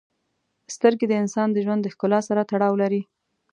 • سترګې د انسان د ژوند د ښکلا سره تړاو لري.